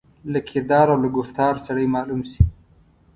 له کردار او له ګفتار سړای معلوم شي.